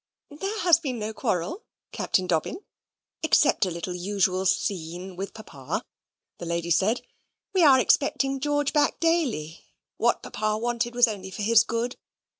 "There has been no quarrel, Captain Dobbin, except a little usual scene with Papa," the lady said. "We are expecting George back daily. What Papa wanted was only for his good.